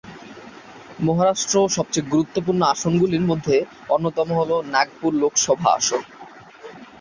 মহারাষ্ট্র সবচেয়ে গুরুত্বপূর্ণ আসনগুলির মধ্যে অন্যতম হল নাগপুর লোকসভা আসন।